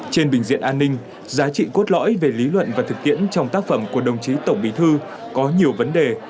trên bình diện an ninh giá trị cốt lõi về lý luận và thực tiễn trong tác phẩm của đồng chí tổng bí thư có nhiều vấn đề